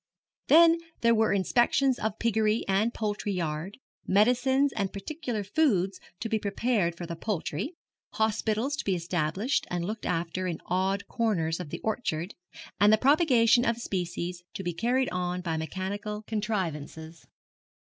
Then there were inspections of piggery and poultry yard, medicines and particular foods to be prepared for the poultry, hospitals to be established and looked after in odd corners of the orchard, and the propagation of species to be carried on by mechanical contrivances.